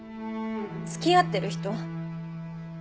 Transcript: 付き合ってる人。